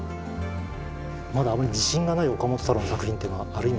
まだあまり自信がない岡本太郎の作品というのはある意味